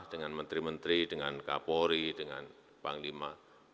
dengan menteri menteri dengan kapolri dengan panglima